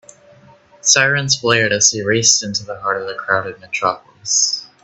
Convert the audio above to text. Sirens blared as they raced into the heart of the crowded metropolis.